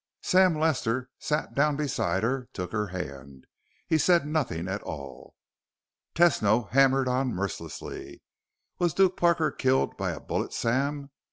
Sam Lester sat down beside her, took her hand. He said nothing at all. Tesno hammered on mercilessly. "Was Duke Parker killed by a bullet, Sam?